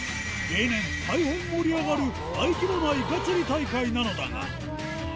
例年、大変盛り上がる大規模なイカ釣り大会なのだが。